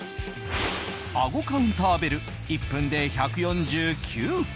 あごカウンターベル１分で１４９回。